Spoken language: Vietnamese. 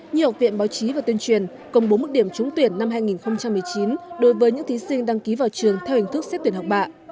như học viện báo chí và tuyên truyền công bố mức điểm trúng tuyển năm hai nghìn một mươi chín đối với những thí sinh đăng ký vào trường theo hình thức xét tuyển học bạ